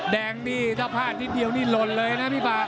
แดงดีถ้าพาดนิดเดียวนี่ลนเลยนะพี่ป่า